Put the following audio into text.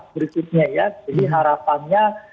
berikutnya ya jadi harapannya